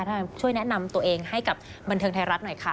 ช่วยแนะนำตัวเองให้กับบันเทิงไทยรัฐหน่อยค่ะ